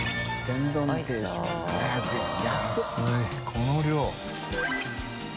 この量。